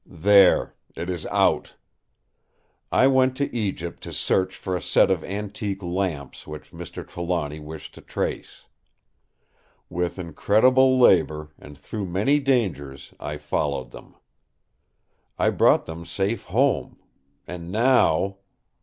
... There! it is out. I went to Egypt to search for a set of antique lamps which Mr. Trelawny wished to trace. With incredible labour, and through many dangers, I followed them. I brought them safe home.... And now!"